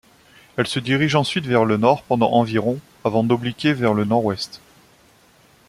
Elle se dirige ensuite vers le nord pendant environ avant d'obliquer vers le nord-est.